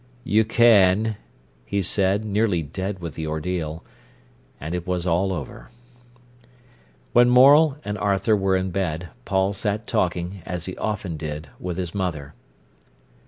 "You can," he said, nearly dead with the ordeal. And it was all over. When Morel and Arthur were in bed, Paul sat talking, as he often did, with his mother.